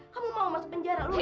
kamu mau masuk penjara loh